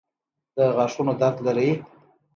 د غاښونو درد لرئ؟